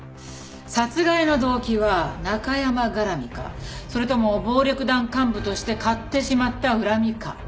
殺害の動機はナカヤマ絡みかそれとも暴力団幹部として買ってしまった恨みか。